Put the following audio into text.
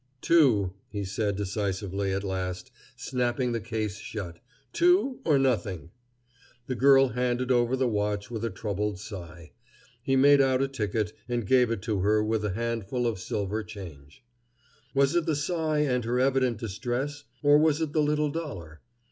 "Two," he said decisively at last, snapping the case shut "two or nothing." The girl handed over the watch with a troubled sigh. He made out a ticket and gave it to her with a handful of silver change. Was it the sigh and her evident distress, or was it the little dollar?